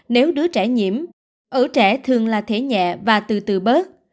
nếu đứa trẻ nhiễm ở trẻ thường là thể nhẹ và từ từ bớt